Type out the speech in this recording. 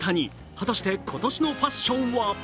果たして今年のファッションは？